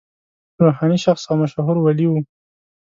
روحاني شخص او مشهور ولي و.